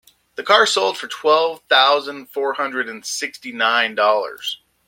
The car sold for twelve thousand four hundred and sixty nine dollars.